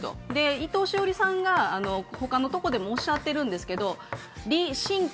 伊藤詩織さんが他のところでもおっしゃっているんですけど、リシンク、